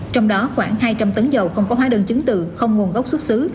trong đó khoảng hai trăm linh tấn dầu không có hóa đơn chứng từ không nguồn gốc xuất xứ